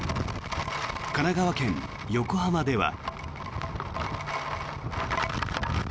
神奈川県横浜では。